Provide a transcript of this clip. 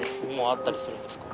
あったりするんですか？